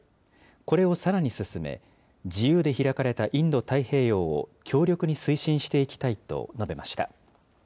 これをさらに進め、自由で開かれたインド太平洋を強力に推進していきたいと述べました。